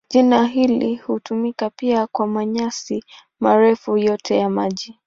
Jina hili hutumika pia kwa manyasi marefu yoyote ya maji.